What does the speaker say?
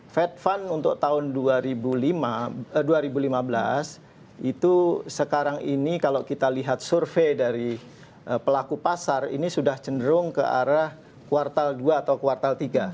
fed fund untuk tahun dua ribu lima belas itu sekarang ini kalau kita lihat survei dari pelaku pasar ini sudah cenderung ke arah kuartal dua atau kuartal tiga